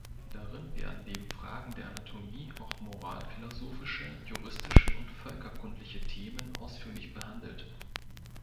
Darin werden neben Fragen der Anatomie auch moralphilosophische, juristische und völkerkundliche Themen ausführlich behandelt.